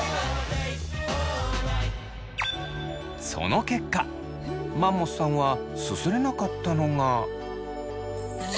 その結果マンモスさんはすすれなかったのが。